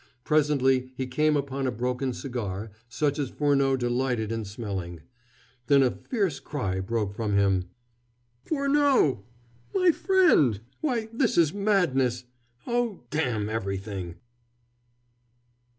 Presently he came upon a broken cigar, such as Furneaux delighted in smelling. Then a fierce cry broke from him. "Furneaux, my friend! Why, this is madness! Oh, d n everything!"